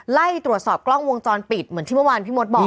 ไล่ตรวจสอบกล้องวงจรปิดเหมือนที่เมื่อวานพี่มดบอก